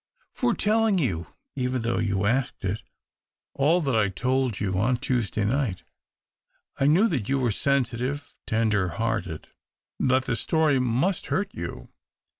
For telling you, even though you asked it, all that I told you on Tuesday night. I knew that you were sensitive, tender hearted — that the story must hurt you.